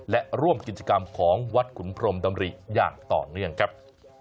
และร่วมกิจกรรมของวัดขุนพรมดำริอย่างต่อเนื่องครับ